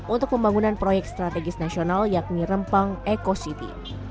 untuk pembangunan proyek strategis nasional yakni rempang eco city